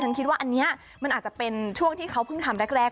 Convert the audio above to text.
คิดว่าอันนี้มันอาจจะเป็นช่วงที่เขาเพิ่งทำแรก